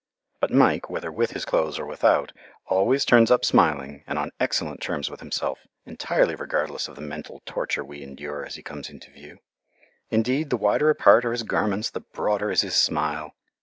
But Mike, whether with his clothes or without, always turns up smiling and on excellent terms with himself, entirely regardless of the mental torture we endure as he comes into view. Indeed, the wider apart are his garments, the broader is his smile.